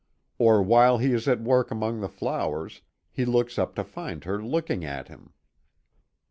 Or while he is at work among the flowers he looks up to find her looking at him.